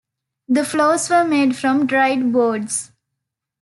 The floors were made from dried boards.